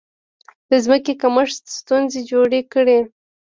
د ځمکې کمښت ستونزې جوړې کړې.